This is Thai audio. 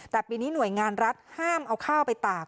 แต่ปีนี้หน่วยงานรัฐห้ามเอาข้าวไปตาก